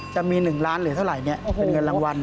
จะมี๑ล้านหรือเท่าไหร่เป็นเงินรางวัล